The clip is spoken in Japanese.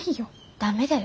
駄目だよ。